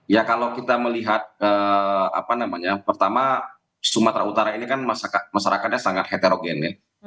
ya kalau kita melihat apa namanya pertama sumatera utara ini kan masyarakatnya sangat heterogen ya